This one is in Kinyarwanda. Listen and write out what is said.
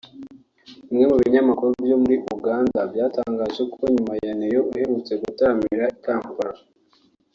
Bimwe mu binyamakuru byo muri Uganda byatangaje ko nyuma ya Ne-Yo uherutse gutaramira i Kampala